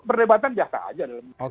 berdebatan jahat saja